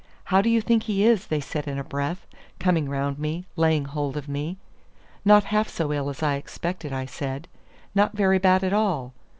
"How do you think he is?" they said in a breath, coming round me, laying hold of me. "Not half so ill as I expected," I said; "not very bad at all."